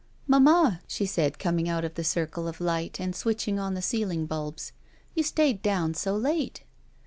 "Mamma," she said, coming out of the circle of light and switching on the ceiling bulbs, "you stayed down so late."